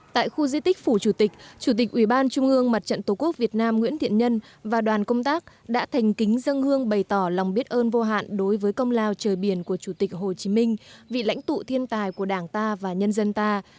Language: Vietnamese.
tại khu di tích phủ chủ tịch chủ tịch ủy ban trung ương mặt trận tổ quốc việt nam nguyễn thiện nhân và đoàn công tác đã thành kính dân hương bày tỏ lòng biết ơn vô hạn đối với công lao trời biển của chủ tịch hồ chí minh vị lãnh tụ thiên tài của đảng ta và nhân dân ta